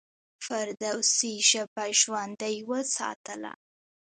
فردوسي ژبه ژوندۍ وساتله.